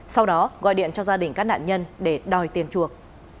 sau đó gọi điện cho gia đình các nạn nhân để đòi tiền chuộc